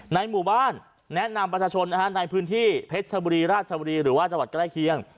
ในหมู่บ้านแนะนำประชาชนในพื้นที่เพชรชบุรีราชบุรีหรือว่าจังหวัดใกล้เคียง